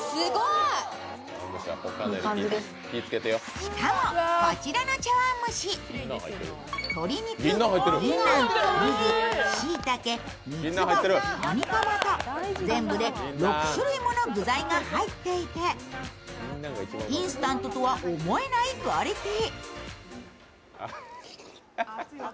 しかもこちらの茶わん蒸し鶏肉、ぎんなん、ゆず、しいたけ三つ葉、カニカマと、全部で６種類もの具材が入っていてインスタントとは思えないクオリティー。